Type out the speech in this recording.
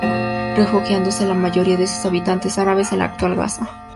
Refugiándose la mayoría de sus habitantes árabes en la actual Gaza.